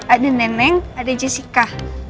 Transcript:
ada neneng ada jessica